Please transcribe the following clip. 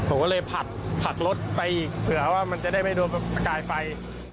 ผมก็เลยผลัดรถไปอีกเผื่อว่ามันจะได้ไม่โดนประกายไฟ